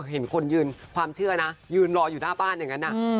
เห็นคนยืนความเชื่อนะยืนรออยู่หน้าบ้านอย่างนั้น